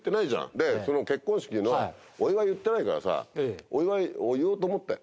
でその結婚式のお祝い言ってないからさお祝いを言おうと思って。